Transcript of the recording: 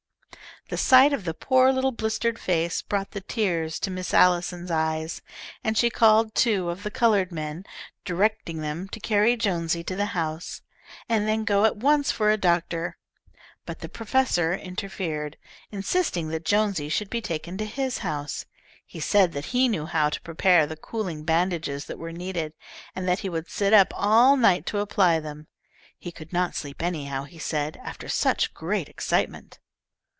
The sight of the poor little blistered face brought the tears to Miss Allison's eyes, and she called two of the coloured men, directing them to carry Jonesy to the house, and then go at once for a doctor. But the professor interfered, insisting that Jonesy should be taken to his house. He said that he knew how to prepare the cooling bandages that were needed, and that he would sit up all night to apply them. He could not sleep anyhow, he said, after such great excitement.